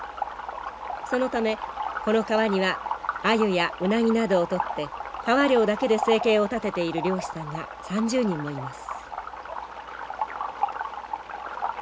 そのためこの川にはアユやウナギなどを取って川漁だけで生計を立てている漁師さんが３０人もいます。